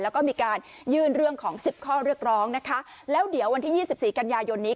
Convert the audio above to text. แล้วก็มีการยื่นเรื่องของสิบข้อเรียกร้องนะคะแล้วเดี๋ยววันที่ยี่สิบสี่กันยายนนี้